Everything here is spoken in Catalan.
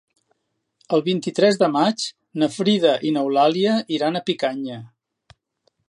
El vint-i-tres de maig na Frida i n'Eulàlia iran a Picanya.